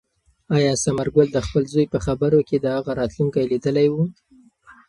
آیا ثمرګل د خپل زوی په خبرو کې د هغه راتلونکی لیدلی و؟